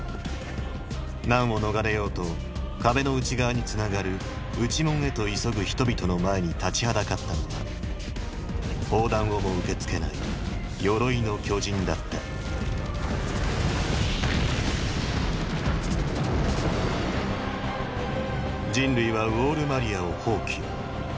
難を逃れようと壁の内側につながる内門へと急ぐ人々の前に立ちはだかったのは砲弾をも受けつけない「鎧の巨人」だった人類はウォール・マリアを放棄。